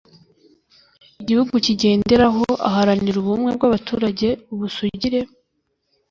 igihugu kigenderaho, aharanira ubumwe bw'abaturage, ubusugire